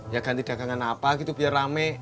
ya ganti dagangan apa gitu biar rame